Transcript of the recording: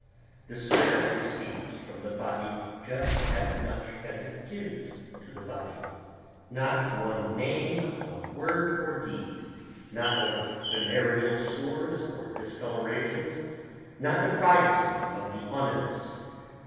The spirit receives from the body just as much as it gives to the body. Not one name of word or deed ... not of venereal sores or discolorations ... not the privacy of the onanist